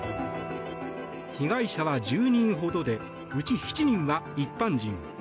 被害者は１０人ほどでうち７人は一般人。